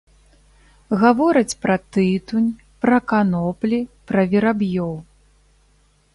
Гавораць пра тытунь, пра каноплі, пра вераб'ёў.